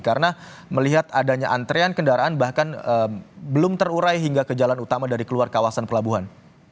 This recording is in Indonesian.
karena melihat adanya antrean kendaraan bahkan belum terurai hingga ke jalan utama dari keluar kawasan pelabuhan